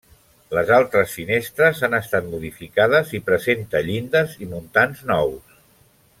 Les altres finestres han estat modificades i presenta llindes i muntants nous.